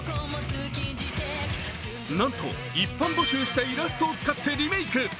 なんと一般募集したイラストを使ってリメイク。